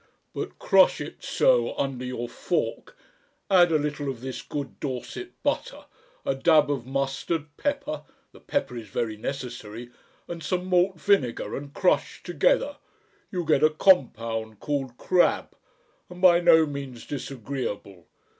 "But crush it so under your fork, add a little of this good Dorset butter, a dab of mustard, pepper the pepper is very necessary and some malt vinegar, and crush together. You get a compound called Crab and by no means disagreeable.